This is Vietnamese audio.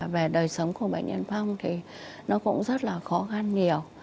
về đời sống của bệnh nhân phong thì nó cũng rất là khó khăn nhiều